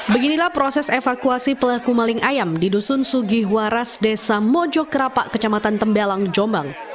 beginilah proses evakuasi pelaku maling ayam di dusun sugihwaras desa mojokerpak kecamatan tembelang jombang